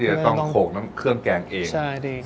คงพวกเครื่องแกงเอง